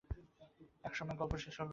এক সময় গল্প শেষ হল।